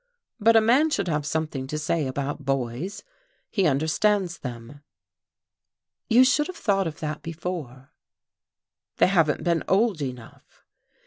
"But a man should have something to say about boys. He understands them." "You should have thought of that before." "They haven't been old enough."